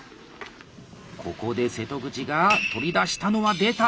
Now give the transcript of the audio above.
ここで瀬戸口が取り出したのは出た！